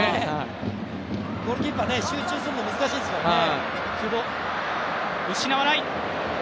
ゴールキーパー、集中するの難しいですからね。